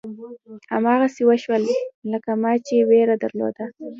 هماغسې وشول لکه ما چې وېره درلوده.